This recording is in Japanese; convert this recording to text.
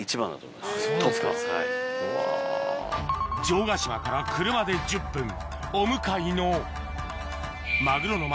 城ヶ島から車で１０分お向かいのマグロの町